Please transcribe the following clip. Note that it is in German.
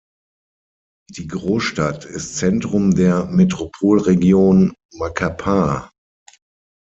Die Großstadt ist Zentrum der Metropolregion Macapá.